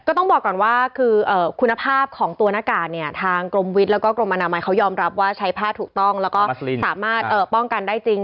ต้องบอกก่อนว่าคือคุณภาพของตัวหน้ากากเนี่ยทางกรมวิทย์แล้วก็กรมอนามัยเขายอมรับว่าใช้ผ้าถูกต้องแล้วก็สามารถป้องกันได้จริง